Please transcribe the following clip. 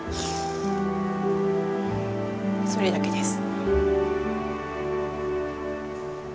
それだけです。